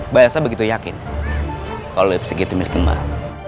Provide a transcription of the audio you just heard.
mbak elsa begitu yakin kalau lipstick itu milik mbak